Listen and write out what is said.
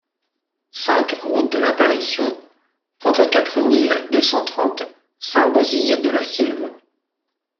cinq route de l'Apparition, trente-quatre mille deux cent trente Saint-Bauzille-de-la-Sylve